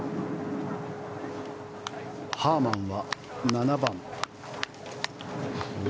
ハーマンは７番。